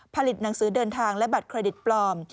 ผลิตหนังสือเดินทางและบัตรเครดิตปลอม